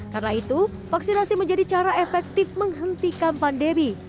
karena itu vaksinasi menjadi cara efektif menghentikan pandemi